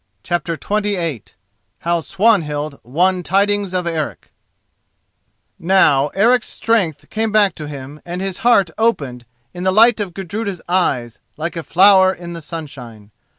CHAPTER XXVIII HOW SWANHILD WON TIDINGS OF ERIC Now Eric's strength came back to him and his heart opened in the light of Gudruda's eyes like a flower in the sunshine.